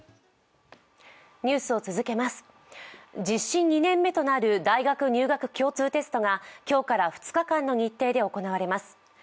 実施２年目となる大学入学共通テストが今日から２日間の日程で行われます